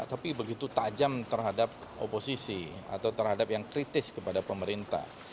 tapi begitu tajam terhadap oposisi atau terhadap yang kritis kepada pemerintah